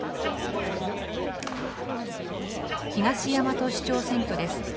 東大和市長選挙です。